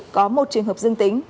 có một trường hợp dương tính